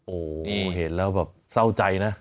โอ้โหเห็นแล้วแบบเศร้าใจนะ